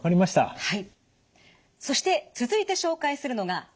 はい。